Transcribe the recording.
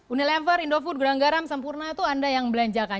unilever indofood gudang garam sampurna itu anda yang belanjakan